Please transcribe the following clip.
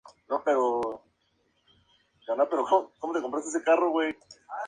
La historia muestra un mundo pos-apocalíptico habitado por animales.